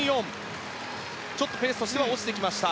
ちょっとペースとしては落ちてきました。